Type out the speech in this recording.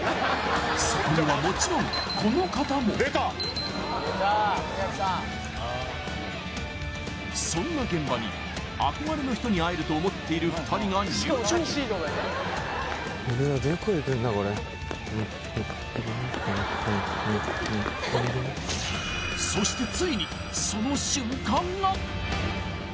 そこにはもちろんこの方もそんな現場に憧れの人に会えると思っている２人が入場そしてついにその瞬間が！